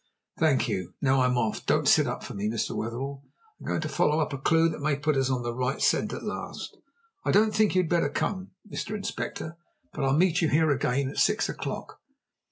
"Thank you. Now I'm off. Don't sit up for me, Mr. Wetherell; I'm going to follow up a clue that may put us on the right scent at last. I don't think you had better come, Mr. Inspector, but I'll meet you here again at six o'clock."